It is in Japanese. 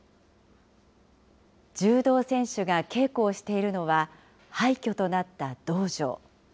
柔道選手が稽古をしているのは、廃虚となった道場。